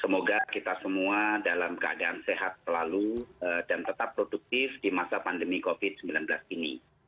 semoga kita semua dalam keadaan sehat selalu dan tetap produktif di masa pandemi covid sembilan belas ini